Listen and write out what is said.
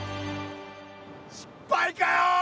失敗かよ！